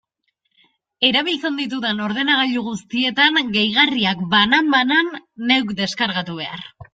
Erabiltzen ditudan ordenagailu guztietan gehigarriak, banan-banan, neuk deskargatu behar.